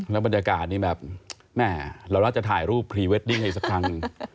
แล้วบรรยากาศนี้แบบแม่เราน่าจะถ่ายรูปพรีเวดดิ้งอีกสักครั้ง